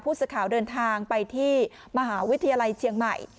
สื่อข่าวเดินทางไปที่มหาวิทยาลัยเชียงใหม่